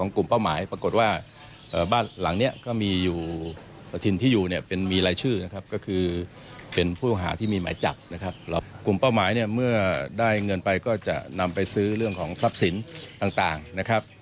กลุ่มเป้าหมายเนี่ยเมื่อได้เงินไปก็จะนำไปซื้อเรื่องของทรัพย์สินต่างนะครับ